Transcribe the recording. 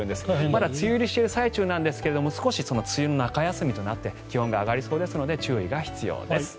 まだ梅雨入りしている最中ですが少し梅雨の中休みとなって気温が上がりそうですので注意が必要です。